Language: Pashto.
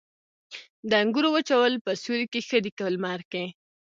د انګورو وچول په سیوري کې ښه دي که لمر کې؟